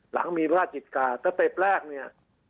หลังมีภาคกิจกราศสเต็ปแรกเนี่ย